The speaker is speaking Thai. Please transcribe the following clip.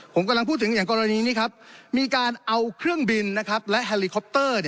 ผมกำลังพูดถึงอย่างกรณีนี้ครับมีการเอาเครื่องบินและแฮลิคอปเตอร์